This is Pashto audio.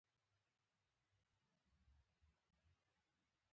موټر د معلم صاحب زوی چلاوه.